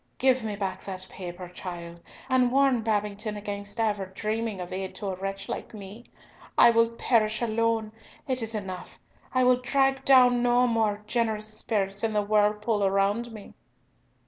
Give me back that paper, child, and warn Babington against ever dreaming of aid to a wretch like me. I will perish alone! It is enough! I will drag down no more generous spirits in the whirlpool around me."